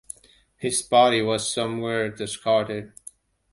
His body was somewhere discarded.